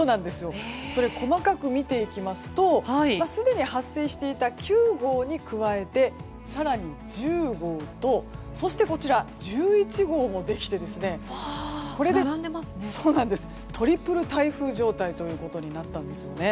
細かく見ていきますとすでに発生していた９号に加えて、更に１０号とそして１１号もできてこれでトリプル台風状態ということになったんですよね。